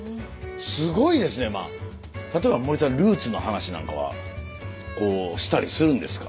例えば森さんルーツの話なんかはこうしたりするんですか？